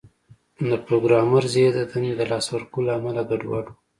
د پروګرامر ذهن د دندې د لاسه ورکولو له امله ګډوډ و